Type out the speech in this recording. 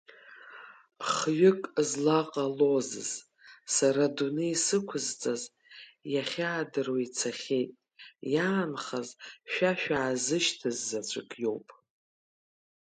Хҩык злаҟалозыз, сара адунеи сықәзҵаз иахьаадыруа ицахьеит, иаанхаз шәа шәаазышьҭыз заҵәык иоуп.